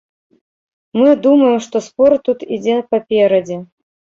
Мы думаем, што спорт тут ідзе паперадзе.